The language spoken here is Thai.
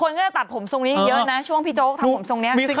คนก็จะตัดผมทรงนี้เยอะนะช่วงพี่โจ๊กทำผมทรงนี้